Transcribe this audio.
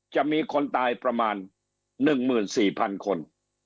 จะมีคนตายประมาณ๑๔๐๐๐คน